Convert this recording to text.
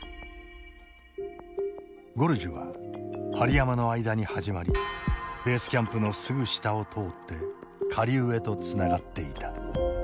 ゴルジュは針山の間に始まりベースキャンプのすぐ下を通って下流へとつながっていた。